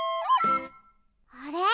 あれ？